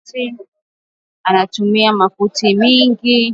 Anatumiana makuta ya mingi